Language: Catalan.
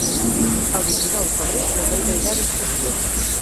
El vint-i-nou de febrer na Neida irà d'excursió.